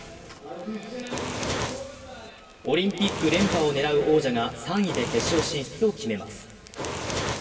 オリンピック連覇を狙う王者が３位で決勝進出を決めます。